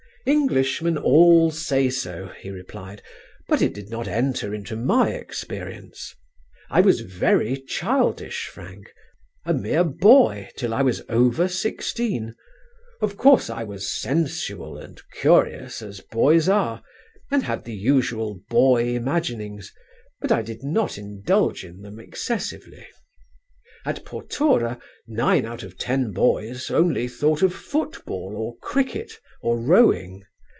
"Englishmen all say so," he replied, "but it did not enter into my experience. I was very childish, Frank; a mere boy till I was over sixteen. Of course I was sensual and curious, as boys are, and had the usual boy imaginings; but I did not indulge in them excessively. "At Portora nine out of ten boys only thought of football or cricket or rowing.